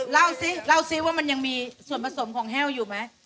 เล่าสิว่ามันยังมีผสมของแห้วอยู่มั๊ย